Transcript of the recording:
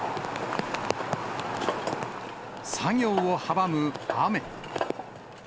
作業を阻む雨。